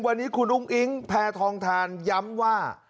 วันนี้คุณอุ้งอิ๊งแพทองทานย้ำว่า